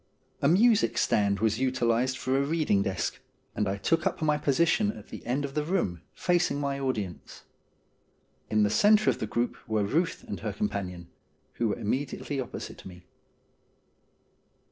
A music stand was utilised for a reading desk, and I took up my position at the end of the room, facing my audience. In the centre of the group were Euth and her companion, who were immediately opposite me.